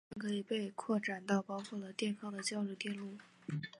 这个理论可以被扩展到包括了电抗的交流电路。